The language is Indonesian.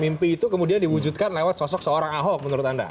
mimpi itu kemudian diwujudkan lewat sosok seorang ahok menurut anda